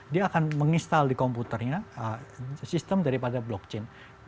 dia akan menginstal di komputernya sistem daripada blockchain